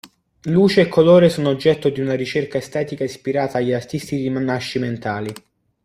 Luce e colore sono oggetto di una ricerca estetica ispirata agli artisti rinascimentali.